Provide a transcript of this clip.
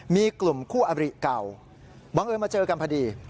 มีกลุ่มคู่อบริเก่าบังเอิญมาเจอกันพอดี